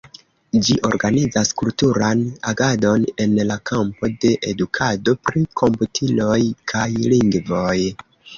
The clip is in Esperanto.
Ĝi organizas kulturan agadon en la kampo de edukado pri komputiloj kaj lingvoj.